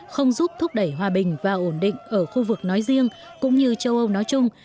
không giúp thúc đẩy hòa bình và ổn định ở khu vực nói riêng cũng như châu âu nói chung